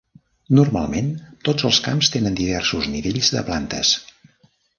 Normalment, tots els camps tenen diversos nivells de plantes.